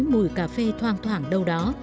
mùi cà phê thoang thoảng đâu đó